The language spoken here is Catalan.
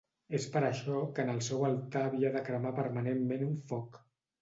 És per això que en el seu altar havia de cremar permanentment un foc.